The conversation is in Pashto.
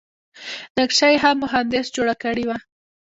نقشه یې ښه مهندس جوړه کړې وه.